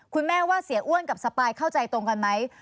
คุณแม่ว่าเสียอ้วนกับสปายเข้าใจตรงกันไหม